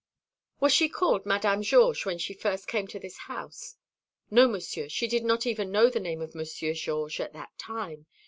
"Was she called Madame Georges when she first came to this house?" "No, Monsieur; she did not even know the name of Monsieur Georges at that time.